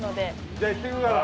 じゃ行ってくるから。